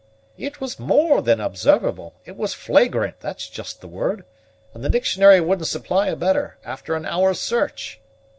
"It was more than observable it was flagrant; that's just the word, and the dictionary wouldn't supply a better, after an hour's search.